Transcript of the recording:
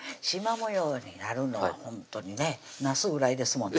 模様になるのはほんとにねなすぐらいですもんね